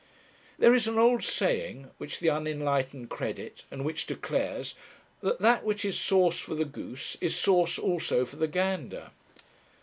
There is an old saying, which the unenlightened credit, and which declares that that which is sauce for the goose is sauce also for the gander.